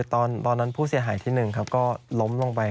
ตอนนั้นผู้เสียหายที่๑ก็ล้มลงไป